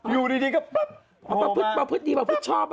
อยู่ดีก็ประพฤติประพฤติดีประพฤติชอบ